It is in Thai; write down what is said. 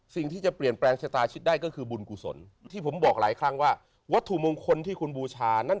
สิ่งที่จะเปลี่ยนแปลงชะตาชิดได้ก็คือบุญกุศลที่ผมบอกหลายครั้งว่าวัตถุมงคลที่คุณบูชานั่น